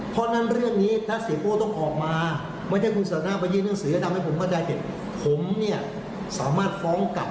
ผมเนี่ยสามารถฝ้องกลับคุณสันตนากได้เลยนะครับ